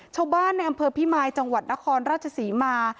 ชาวบ้านในอำเภอพิมายจังหวัดนครราชศรีมา